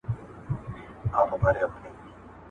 ټولنیز عدالت د ټولنپوهنې یو مهم بحث دی.